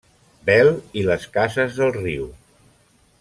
Bel i les Cases del Riu.